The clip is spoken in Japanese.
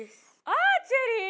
アーチェリー？